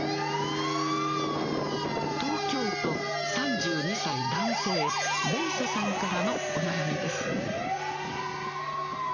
東京都、３２歳、男性、ベイスさんからのお悩みです。